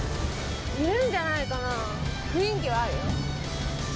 いるんじゃないかな雰囲気はあるよ。